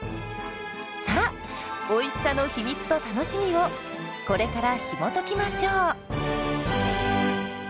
さあおいしさの秘密と楽しみをこれからひもときましょう！